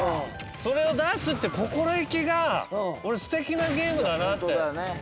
それを出すって心意気が素敵なゲームだなって思うんですよ。